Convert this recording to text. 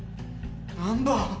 ・難破！